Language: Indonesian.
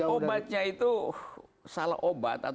obatnya itu salah obat